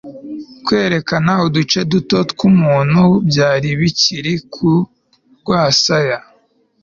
Kwerekana uduce duto twumuntu byari bikiri ku rwasaya